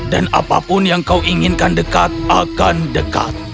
dan apapun yang kau inginkan dekat akan dekat